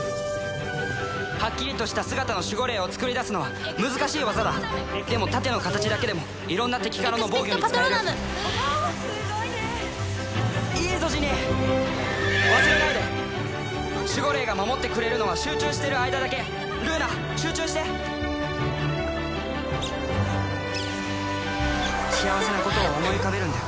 はっきりとした姿の守護霊をつくり出すのは難しい技だでも盾の形だけでも色んな敵からの防御に使えるわあっすごいねいいぞジニー忘れないで守護霊が守ってくれるのは集中してる間だけルーナ集中して幸せなことを思い浮かべるんだよ